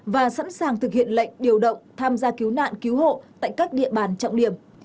và sẵn sàng thực hiện lệnh điều động tham gia cứu nạn cứu hộ tại các địa bàn trọng điểm